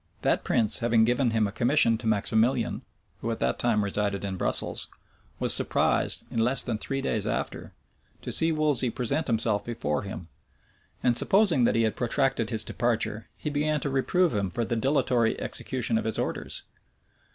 That prince, having given him a commission to Maximilian, who at that time resided in Brussels, was surprised, in less than three days after, to see Wolsey present himself before him, and supposing that he had protracted his departure, he began to reprove him for the dilatory execution of his orders.